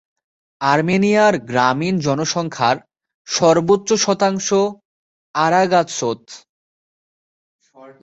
আর্মেনিয়ার গ্রামীণ জনসংখ্যার সর্বোচ্চ শতাংশ আরাগাতসোত।